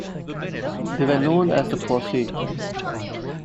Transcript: They were known as The Posse.